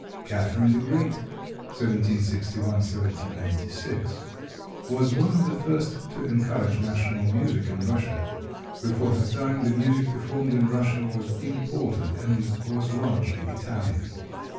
Catherine the Great (1761 1796) was one of the first to encourage national music in Russia. Before her time the music performed in Russia was imported, and was largely Italian.